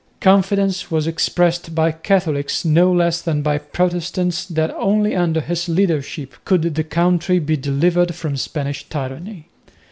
Confidence was expressed by Catholics no less than by Protestants that only under his leadership could the country be delivered from Spanish tyranny.